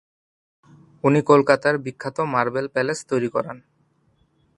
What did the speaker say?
উনি কলকাতার বিখ্যাত মার্বেল প্যালেস তৈরী করান।